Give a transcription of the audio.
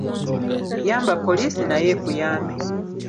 Yamba poliisi nayo ekuyambe.